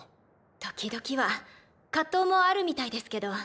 時々は葛藤もあるみたいですけど。